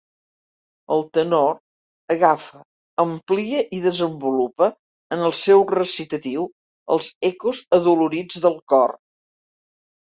El tenor agafa, amplia i desenvolupa, en el seu recitatiu, els ecos adolorits del cor.